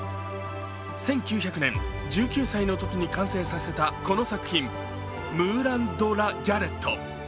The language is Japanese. １９００年、１９歳のときに完成させたこの作品、「ムーラン・ド・ラ・ギャレット」。